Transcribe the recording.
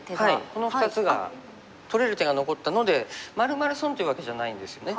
この２つが取れる手が残ったのでまるまる損というわけじゃないんですよね。